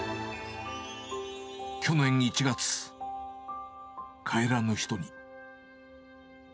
去年１月、帰らぬ人に。